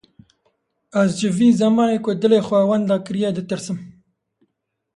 Ez ji vî zemanê ku dilê xwe wenda kiriye, ditirsim.